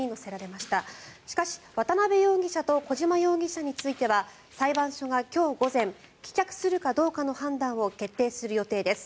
しかし、渡邉容疑者と小島容疑者については裁判所が今日午前棄却するかどうかの判断を決定する予定です。